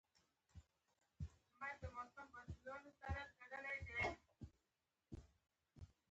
سهار د ذهني ځواک سرچینه ده.